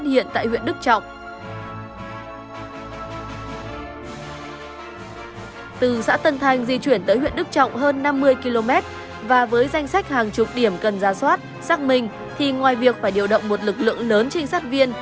từ xã tân thanh di chuyển tới huyện đức trọng hơn năm mươi km và với danh sách hàng chục điểm cần ra soát xác minh thì ngoài việc phải điều động một lực lượng lớn trinh sát viên